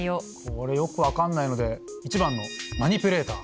これよく分かんないので番のマニピュレーター。